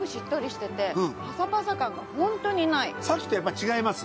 さっきとやっぱ違います？